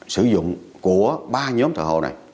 sử dụng của ba nhóm thợ hồ này